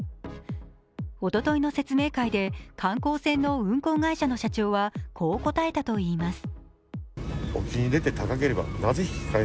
おとといの説明会で観光船の運航会社の社長は、こう答えたといいます。